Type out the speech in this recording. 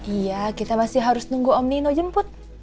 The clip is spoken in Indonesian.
iya kita masih harus nunggu om nino jemput